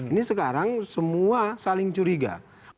ini sekarang semua saling curiga